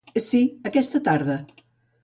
—Sí, aquesta tarda.